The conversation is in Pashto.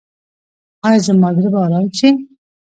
ایا زما زړه به ارام شي؟